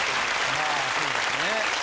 まあそうですね。